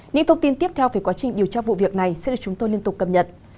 những thông tin tiếp theo về quá trình điều tra vụ việc này sẽ được chúng tôi liên tục cập nhật